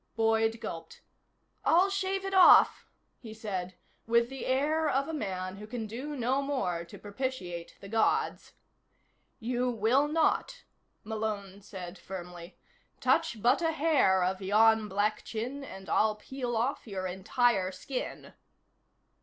Boyd gulped. "I'll shave it off," he said, with the air of a man who can do no more to propitiate the Gods. "You will not," Malone said firmly. "Touch but a hair of yon black chin, and I'll peel off your entire skin."